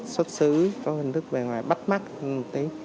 xuất xứ có hình thức bề ngoài bắt mắt hơn một tí